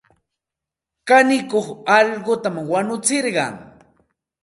Kanikuq allquta wanutsirqan.